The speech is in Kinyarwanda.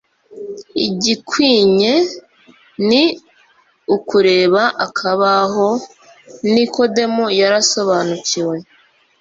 Igikwinye ni ukureba akabaho. Nikodemu yarasobanukiwe